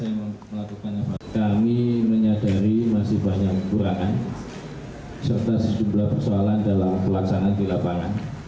kami menyadari masih banyak kekurangan serta sejumlah persoalan dalam pelaksanaan di lapangan